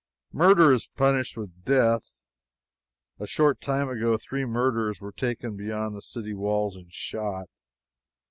Murder is punished with death. A short time ago three murderers were taken beyond the city walls and shot.